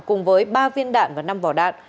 cùng với ba viên đạn và năm vỏ đạn